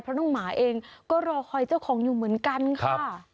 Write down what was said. เพราะน้องหมาเองก็รอคอยเจ้าของอยู่เหมือนกันค่ะ